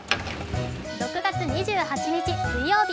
６月２８日水曜日。